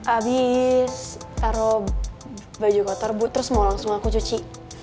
habis taruh baju kotor bu terus mau langsung aku cuci